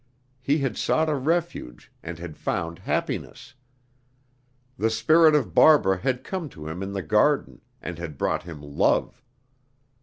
He had sought a refuge, and had found happiness. The spirit of Barbara had come to him in the garden, and had brought him love.